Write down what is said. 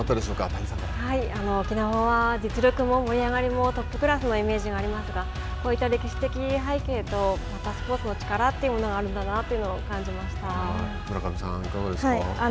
沖縄は、実力も盛り上がりもトップクラスのイメージがありますがこういった歴史的背景とまたスポーツの力というものがあるんだなというのを村上さんはいかがですか。